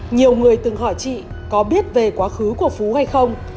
nhiều người từng hỏi chị có biết về quá khứ của phú hay không